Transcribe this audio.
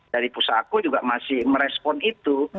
saya juga masih merespon itu